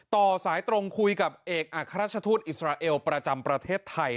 ต่อสายตรงคุยกับเอกอัครราชทูตอิสราเอลประจำประเทศไทย